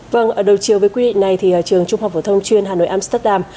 vâng ở đầu chiều với quy định này thì trường trung học phổ thông chuyên hà nội amsterdam